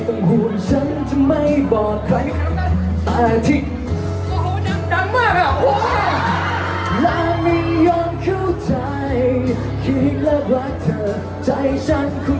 มันไม่สารให้หัวใจอยู่ต่างเธอก่อนไม่รู้ฉันคงทำอย่างไร